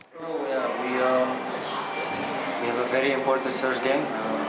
kita memiliki pertempuran yang sangat penting